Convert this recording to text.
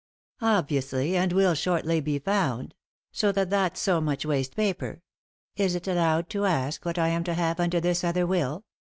"Obviously, and will shortly be found. So that that's so much waste paper. Is it allowed to ask what I am to have under this other will